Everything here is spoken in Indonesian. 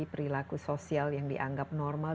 perilaku sosial yang dianggap normal